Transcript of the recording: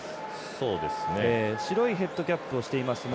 白いヘッドキャップをしていますね。